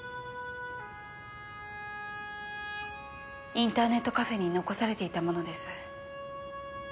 インターネットカフェに残されていたものです。